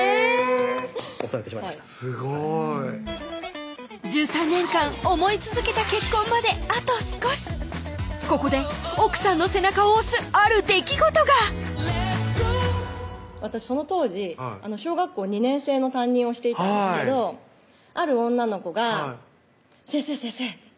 押されてしまいましたすごい１３年間思い続けた結婚まであと少しここで奥さんの背中を押すある出来事が私その当時小学校２年生の担任をしていたんですけどある女の子が「先生先生